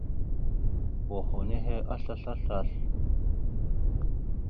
Boho henne aslasl aslasl.